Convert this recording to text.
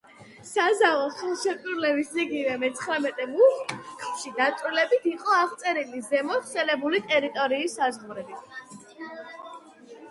საზავო ხელშეკრულების იგივე მეცხრამეტე მუხლში დაწვრილებით იყო აღწერილი ზემოთ ხსენებული ტერიტორიის საზღვრები.